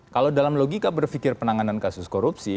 kalau dalam logika berpikir penanganan kasus korupsi